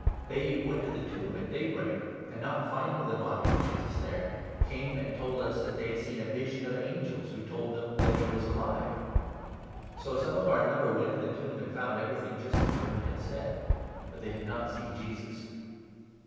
They went to the tomb at daybreak and, not finding the body of Jesus there, came and 23 told us that they had seen a vision of angels who told them that he was alive. So some of our number went to the tomb 24 and found everything just as the women had said ; but they did not see Jesus."